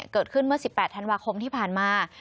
เกิดขึ้นเมื่อ๑๘ธันวาคมที่ผ่านมา